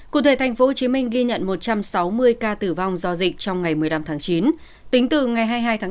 cụ thể tp hcm ghi nhận một trăm sáu mươi ca tử vong do dịch trong ngày một mươi năm tháng chín tính từ ngày hai mươi hai tháng chín